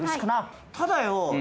ただよ